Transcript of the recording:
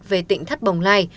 về tỉnh thất bồng lai